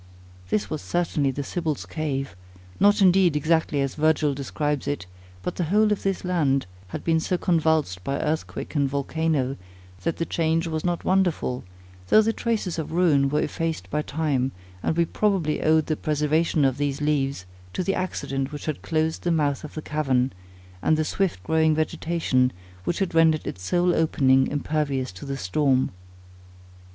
This was certainly the Sibyl's Cave; not indeed exactly as Virgil describes it; but the whole of this land had been so convulsed by earthquake and volcano, that the change was not wonderful, though the traces of ruin were effaced by time; and we probably owed the preservation of these leaves, to the accident which had closed the mouth of the cavern, and the swift growing vegetation which had rendered its sole opening impervious to the storm.